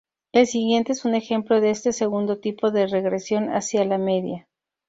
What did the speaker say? El siguiente es un ejemplo de este segundo tipo de regresión hacia la media.